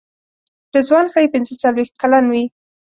رضوان ښایي پنځه څلوېښت کلن وي.